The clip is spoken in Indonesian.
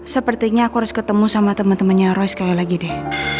sepertinya aku harus ketemu sama teman temannya roy sekali lagi deh